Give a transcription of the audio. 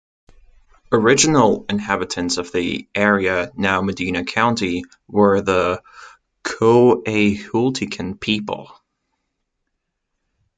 Original inhabitants of the area, now Medina County, were the Coahuiltecan people.